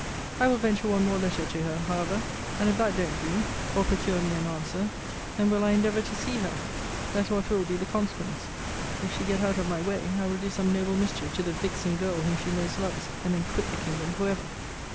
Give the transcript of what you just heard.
I will venture one more letter to her, however; and if that don't do, or procure me an answer, then will I endeavour to see her, let what will be the consequence. If she get out of my way, I will do some noble mischief to the vixen girl whom she most loves, and then quit the kingdom for ever.